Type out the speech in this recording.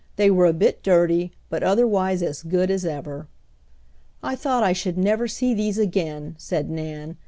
They were a bit dirty, but otherwise as good as ever. "I thought I should never see these again," said Nan.